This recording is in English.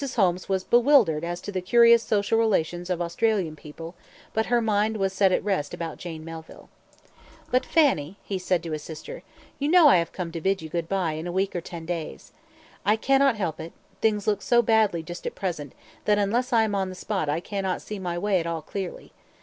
Holmes was bewildered as to the curious social relations of Australian people, but her mind was set at rest about Jane Melville. "But, Fanny," said he to his sister, "you know I have come to bid you goodbye in a week or ten days. I cannot help it; things look so badly just at present that unless I am on the spot I cannot see my way at all clearly.